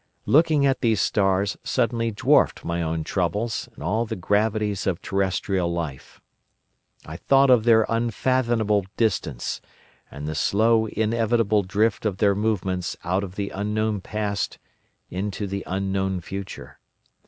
"Looking at these stars suddenly dwarfed my own troubles and all the gravities of terrestrial life. I thought of their unfathomable distance, and the slow inevitable drift of their movements out of the unknown past into the unknown future.